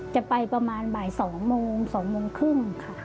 จะไปประมาณบ่าย๒โมง๒โมงครึ่งค่ะ